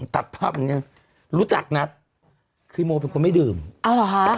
ตัดภาพเนี้ยรู้จักนะคือโมเป็นคนไม่ดื่มอ๋อหรอฮะ